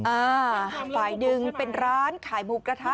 อ่าฝ่ายหนึ่งเป็นร้านขายหมูกระทะ